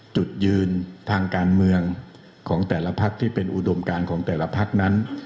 จุดยืนทางการเมืองของแต่ละพักที่เป็นอุดมการของแต่ละพักนั้น